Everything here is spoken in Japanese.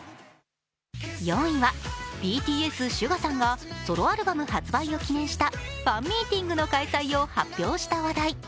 ４位はＢＴＳ・ＳＵＧＡさんがソロアルバム発売を記念したファンミーティングの開催を発表した話題。